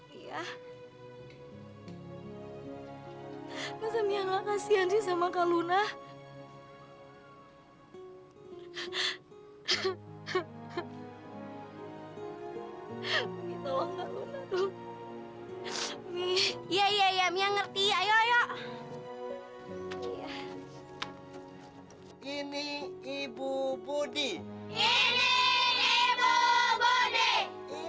kak luna kak kris udah mengumumasi semua biaya saya biaya sekolah saya sampai satu tahun